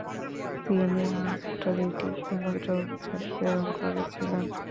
তিনি আর মাত্র দুইটি সমুদ্র অভিযান প্রেরণ করেছিলেন।